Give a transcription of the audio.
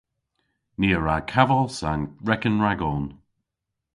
Ni a wra kavos an reken ragon.